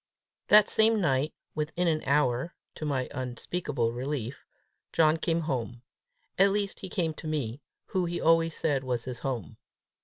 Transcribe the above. That same night, within an hour, to my unspeakable relief, John came home at least he came to me, who he always said was his home.